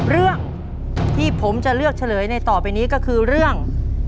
เรื่องที่ผมจะเลือกเฉลยในต่อไปนี้ก็คือเรื่อง